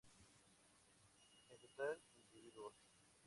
En total, individuos.